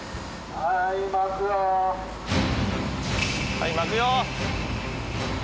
はい巻くよ。